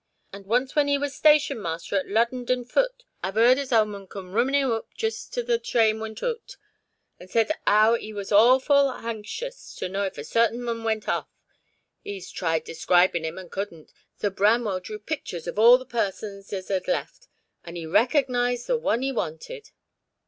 And once when 'ee was station master at Luddondon Foote a 've 'eard as 'ow a mon coom runnin' oop just as tha train went oot, and said as 'ow 'ee was horful anxious to know if a certain mon went hoff. 'Ee tried describin' 'im, and couldn't, so Branwell drew pictures of all the persons as 'ad left, and 'ee recog_nised_ the one as 'ee wanted."